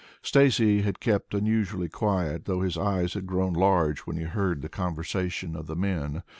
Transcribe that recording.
Stacy had kept unusually quiet, though his eyes had grown large when he heard the conversation of the men.